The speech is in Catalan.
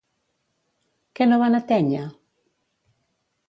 Què no van atènyer?